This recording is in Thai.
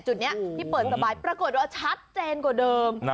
จุดนี้ที่เปิดสบายปรากฏว่าชัดเจนกว่าเดิม